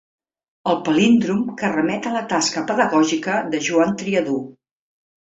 El palíndrom que remet a la tasca pedagògica de Joan Triadú.